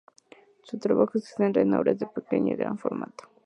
Su trabajo se centra en obras de pequeño y gran formato.